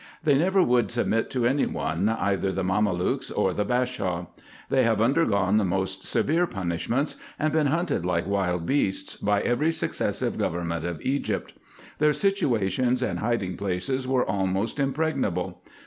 They never would submit to any one, either the Mamelukes or the Bashaw. They have undergone the most severe punishments, and been hunted like wild beasts, by every successive government of Egypt. Their situations and hiding places were almost impregnable.